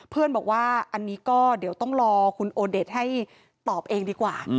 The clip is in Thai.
บอกว่าอันนี้ก็เดี๋ยวต้องรอคุณโอเดชให้ตอบเองดีกว่า